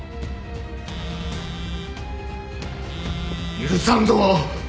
許さんぞ。